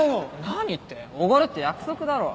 何っておごるって約束だろ。